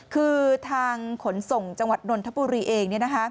คือทางขนส่งจังหวัดนนทบุรีเอง